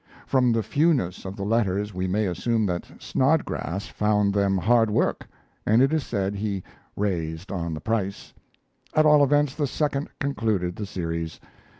From the fewness of the letters we may assume that Snodgrass found them hard work, and it is said he raised on the price. At all events, the second concluded the series.